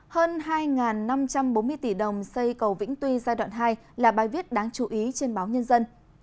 hơn hai năm trăm bốn mươi tỷ đồng xây cầu vĩnh tuy giai đoạn hai là bài viết đáng chú ý trên báo nhân dân